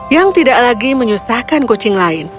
yang tidak lagi menyusahkan kucing lain